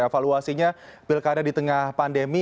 evaluasinya pilkada di tengah pandemi